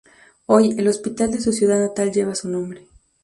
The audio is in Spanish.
Hoy, el hospital de su ciudad natal lleva su nombre.